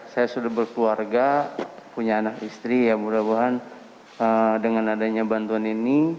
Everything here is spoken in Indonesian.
saya sudah berkeluarga punya anak istri ya mudah mudahan dengan adanya bantuan ini